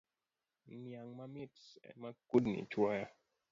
Niang mamit ema kudni chuoyo